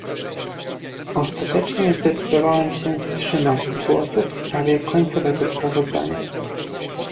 Ostatecznie zdecydowałem się wstrzymać od głosu w sprawie końcowego sprawozdania